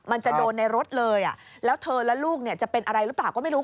มันจะโดนในรถเลยแล้วเธอและลูกเนี่ยจะเป็นอะไรหรือเปล่าก็ไม่รู้